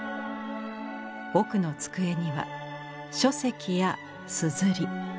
奥の机には書籍やすずり。